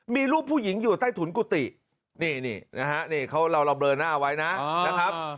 มีรูปผู้หญิงอยู่ใต้ถุนกุฏินี่นะฮะนี่เขาเราเบลอหน้าไว้นะครับ